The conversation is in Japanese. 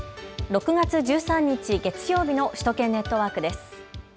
６月１３日月曜日の首都圏ネットワークです。